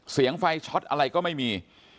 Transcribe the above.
เสียงไฟช็อตอะไรก็ไม่มี